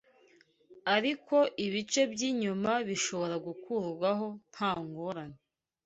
Ariko ibice by'inyuma bishobora gukurwaho nta ngorane